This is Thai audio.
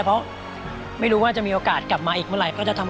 นอกจากนักเตะรุ่นใหม่จะเข้ามาเป็นตัวขับเคลื่อนทีมชาติไทยชุดนี้แล้ว